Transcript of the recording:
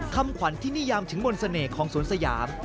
คำขวัญที่นิยามถึงบนเสน่ห์ของสวนสยาม